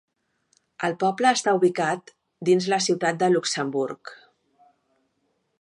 El poble està ubicat dins la ciutat de Luxemburg.